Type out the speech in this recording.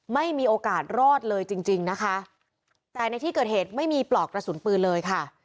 ไม่มีโอกาสรอดเลยจริงจริงนะคะแต่ในที่เกิดเหตุไม่มีปลอกกระสุนปืนเลยค่ะ